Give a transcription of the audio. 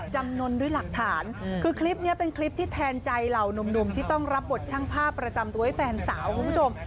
จำนวนด้วยหลักฐานคือคลิปนี้เป็นคลิปที่แทนใจเหล่านุ่มที่ต้องรับบทช่างภาพประจำตัวให้แฟนสาวคุณผู้ชม